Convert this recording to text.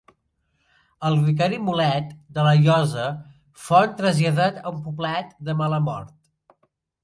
El vicari Mulet, de la Llosa, fon traslladat a un poblet de mala mort.